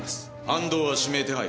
安藤は指名手配。